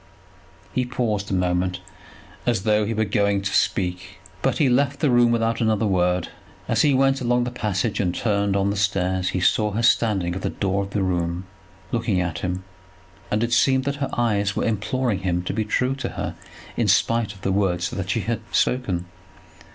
He paused a moment as though he were going to speak, but he left the room without another word. As he went along the passage and turned on the stairs he saw her standing at the door of the room, looking at him, and it seemed that her eyes were imploring him to be true to her in spite of the words that she had spoken.